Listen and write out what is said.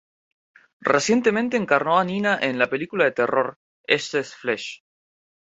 Recientemente encarnó a Nina en la película de terror "Excess Flesh".